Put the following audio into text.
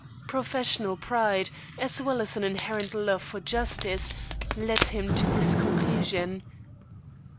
Professional pride, as well as an inherent love of justice, led him to this conclusion.